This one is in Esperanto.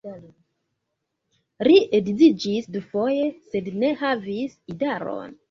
Li edziĝis dufoje, sed ne havis idaron.